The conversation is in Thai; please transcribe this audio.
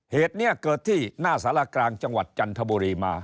เหตุนี้เกิดที่หน้าสารกลางจังหวัดจันทบุรีมา